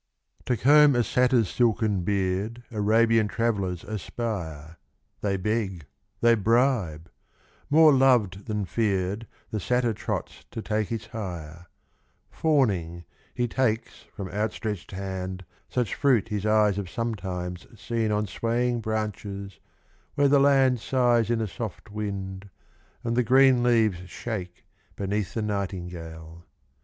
To comb a satyr's silken beard Arabian travellers aspire, They beg, they bribe ; more loved than feared The satyr trots to take his hire — Fawning, he takes from outstretched hand Such fruit his eyes have sometimes seen On swaying branches where the land Sighs in a soft wind and the green Leaves shake beneath the nightingale.